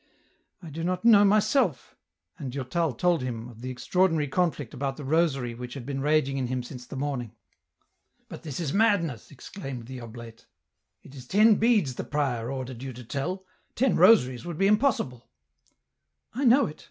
I do not know myself ;" and Durtal told him oi the extraordinary conflict about the rosary which had been raging in him since the morning. " But this is madness," exclaimed the oblate ;" it is ten beads the prior ordered you to tell ; ten rosaries would be impossible." " I know it ...